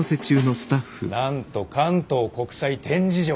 なんと関東国際展示場。